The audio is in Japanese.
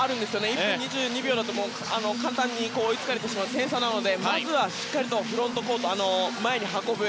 １分２２秒だと簡単に追いつかれてしまう点差なのでまずはしっかりとフロントコート前に運ぶ。